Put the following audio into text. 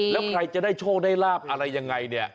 แล้วใครจะได้โชคได้ลาบอะไรยังไงเนี่ย